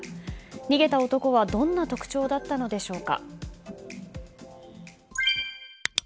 逃げた男はどんな特徴だったのでしょうか。